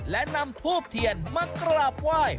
และนำภูมิเถียนมากลับไหว